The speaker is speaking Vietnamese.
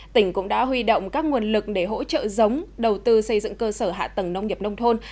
tỉnh cũng đã huy động các nguồn lực để hỗ trợ giống đầu tư xây dựng cơ sở hạ tầng nông nghiệp nông thôn